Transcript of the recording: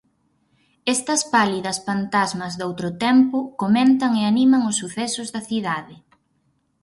Estas pálidas pantasmas doutro tempo comentan e animan os sucesos da cidade.